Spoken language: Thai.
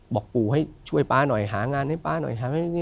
บอกปู่ให้ช่วยป๊าหน่อยหางานให้ป๊าหน่อยหานี่